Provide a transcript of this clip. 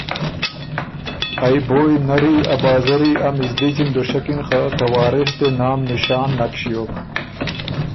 ائ بویٛ نری، ا بازری، ا مِزدچی ن دُشکِن خه ته وارث دې نام نشان نک ݭیوک